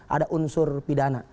ada unsur pidana